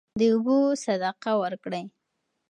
د اوبو صدقه ورکړئ.